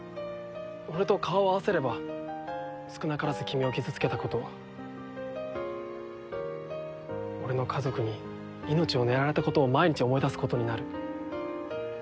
俺と顔を合わせれば少なからず君を傷付けたことを俺の家族に命を狙われたことを毎日思い出すことになる。